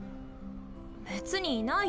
別にいないよ